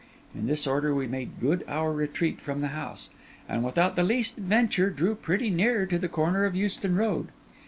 In this order we made good our retreat from the house, and without the least adventure, drew pretty near to the corner of Euston Road.